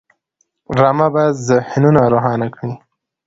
ډرامه باید ذهنونه روښانه کړي